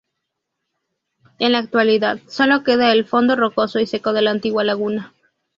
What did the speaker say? En la actualidad, sólo queda el fondo rocoso y seco de la antigua laguna.